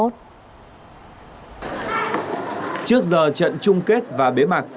trước giờ trận chung kết và bế mặt